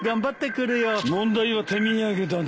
問題は手土産だな。